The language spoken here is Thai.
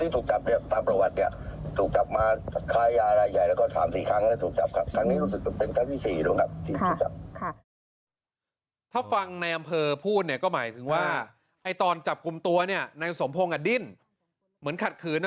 ถ้าฟังในอำเภอพูดเนี่ยก็หมายถึงว่าตอนจับกลุ่มตัวนายสมพงศ์ดิ้นเหมือนขัดขืน